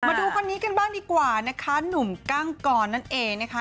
มาดูคนนี้กันบ้างดีกว่านะคะหนุ่มกั้งกรนั่นเองนะคะ